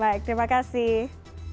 baik terima kasih